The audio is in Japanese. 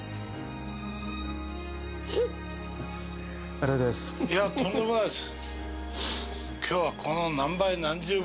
ありがとうございますいやとんでもないです